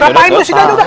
dua berapa ini sudah